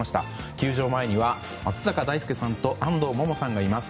球場前には、松坂大輔さんと安藤萌々さんがいます。